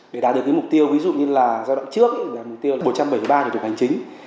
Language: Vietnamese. để đạt được mục tiêu ví dụ như là giai đoạn trước là mục tiêu một trăm bảy mươi ba thủ tục hành chính